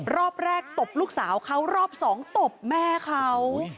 รอบแรกตบลูกสาวเขารอบสองตบแม่เขา